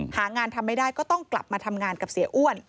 หางานทำไม่ได้ก็ต้องกลับมาทำงานกับเสียอ้วน